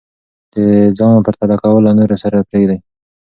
د ځان پرتله کول له نورو سره پریږدئ.